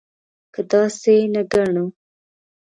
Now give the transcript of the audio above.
که داسې نه ګڼو.